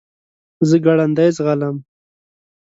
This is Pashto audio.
زه ګړندی ځغلم .